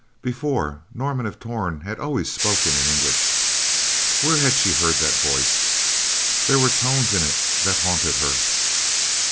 Before, Norman of Torn had always spoken in English. Where had she heard that voice! There were tones in it that haunted her.